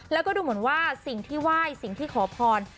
แล้วก็ดูเหมือนว่าสิ่งที่ไหว้สิ่งที่ขอพร